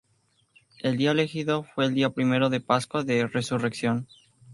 El día elegido fue el día primero de Pascua de Resurrección.